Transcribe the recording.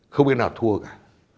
không biết nào thua cả